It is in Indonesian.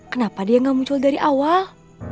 kenapa dia nggak muncul dari awal